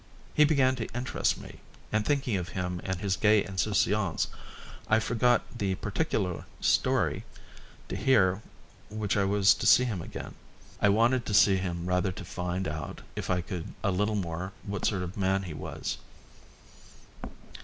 He began to interest me, and thinking of him and of his gay insouciance I forgot the particular story, to hear which I was to see him again. I wanted to see him rather to find out if I could a little more what sort of man he was.